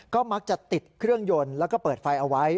ก็มักจะติดเครื่องยนต์แล้วก็เปิดไฟเอาไว้